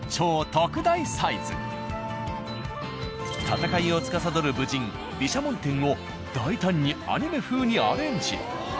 戦いをつかさどる武神毘沙門天を大胆にアニメ風にアレンジ。